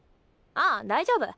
ああ大丈夫。